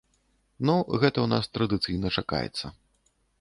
Ну, гэта ў нас традыцыйна чакаецца.